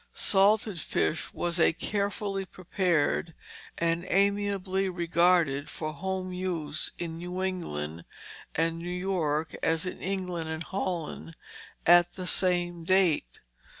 Salted fish was as carefully prepared and amiably regarded for home use in New England and New York as in England and Holland at the same date.